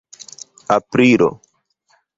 aprilo